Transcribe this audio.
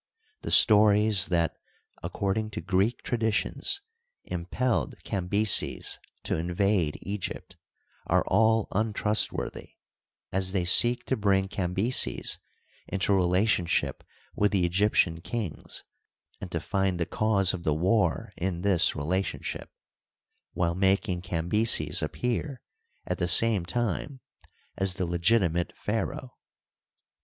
The stories tnat, according to Greek traditions, impelled Cambyses to in vade Egypt are all untrustworthy, as they seek to bring Cambyses into relationship with the Egyptian kings and to find the cause of the war in this relationship, while making Cambyses appear, at the same time, as the legiti mate pharaoh.